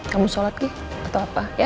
kamu solat worth apa ya